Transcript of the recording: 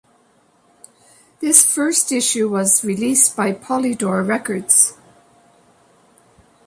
This first issue was released by Polydor Records.